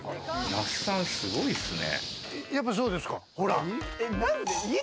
那須さん、すごいっすね。